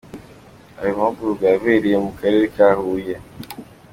Ayo mahugurwa yabereye mu karere ka Huye.